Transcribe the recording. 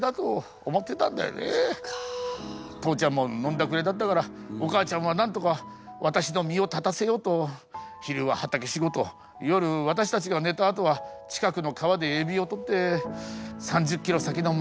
父ちゃんも飲んだくれだったからお母ちゃんはなんとか私の身を立たせようと昼は畑仕事夜私たちが寝たあとは近くの川でエビをとって３０キロ先の町まで売りに行ってたね。